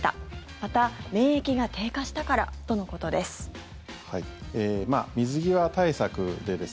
また、免疫が低下したからとのことです。